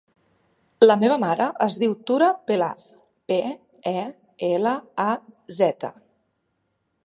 La meva mare es diu Tura Pelaz: pe, e, ela, a, zeta.